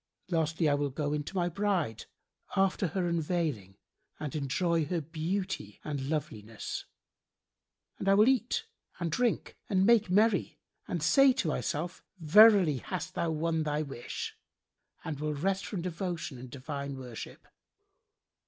Lastly I will go in to my bride, after her unveiling and enjoy her beauty and loveliness; and I will eat and drink and make merry and say to myself, 'Verily, hast thou won thy wish,' and will rest from devotion and divine worship.